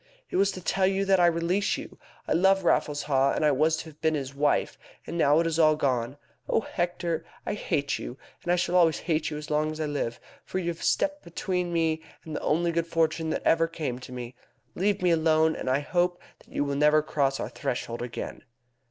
"It was to tell you that I released you. I love Raffles Haw, and I was to have been his wife. And now it is all gone. Oh, Hector, I hate you, and I shall always hate you as long as I live, for you have stepped between me and the only good fortune that ever came to me. Leave me alone, and I hope that you will never cross our threshold again."